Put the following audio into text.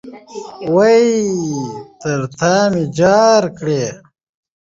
وئ ! تر تامي جار کړې